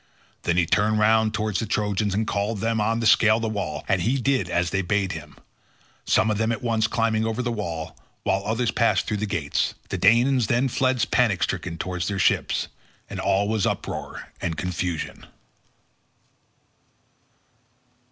Then he turned round towards the Trojans and called on them to scale the wall, and they did as he bade them—some of them at once climbing over the wall, while others passed through the gates. The Danaans then fled panic stricken towards their ships, and all was uproar and confusion.